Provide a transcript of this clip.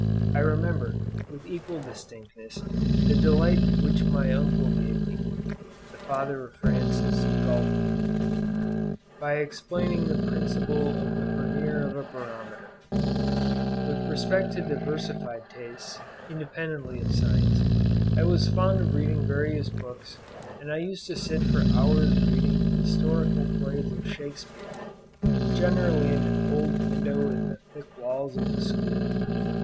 I remember, with equal distinctness, the delight which my uncle gave me (the father of Francis Galton) by explaining the principle of the vernier of a barometer with respect to diversified tastes, independently of science, I was fond of reading various books, and I used to sit for hours reading the historical plays of Shakespeare, generally in an old window in the thick walls of the school.